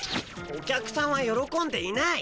お客さんはよろこんでいない！